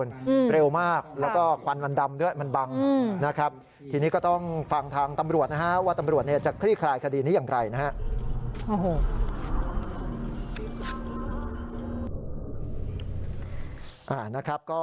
นะครับก็เหตุการณ์นี้นะครับ